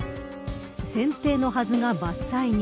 剪定のはずが伐採に。